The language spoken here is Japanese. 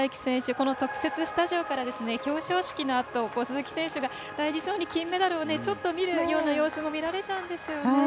この特設スタジオから表彰式のあと鈴木選手が大事そうに金メダルを見るような様子が見られたんですよね。